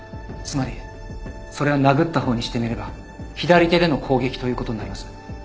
つまりそれは殴った方にしてみれば左手での攻撃ということになります。